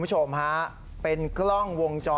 ที่ทายาทอีกครั้ง